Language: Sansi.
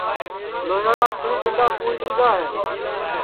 لھوھیاڑا اُکھݪی ڈؔنڈؔا کُوٹؔ لئگا ہے